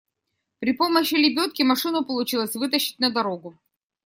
При помощи лебедки машину получилось вытащить на дорогу.